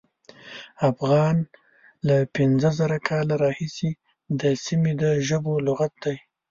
افغان له پینځه زره کاله راهیسې د سیمې د ژبو لغت دی.